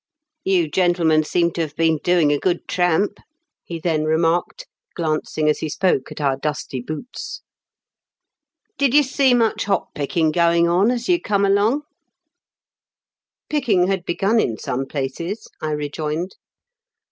You gentlemen seem to have been doing a good tramp," he then remarked, glancing as he spoke at our dusty boots. " Did you see much hop picking going on as you come along V *^ Picking had begun in some places,'' I rejoined.